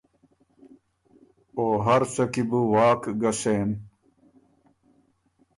او هر څه کی بو واک ګۀ سېن۔